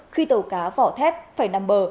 khi tàu cá vỏ thép phải nằm bờ